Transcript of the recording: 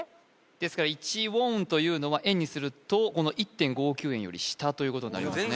ですから１ウォンというのは円にすると１．５９円より下ということになりますね